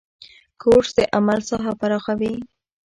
کورس د عمل ساحه پراخوي.